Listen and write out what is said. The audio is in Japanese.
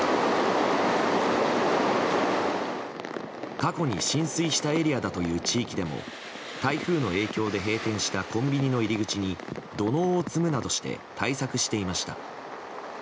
過去に浸水したエリアだという地域でも台風の影響で閉店したコンビニの入り口に土のうを積むなどして対策していました。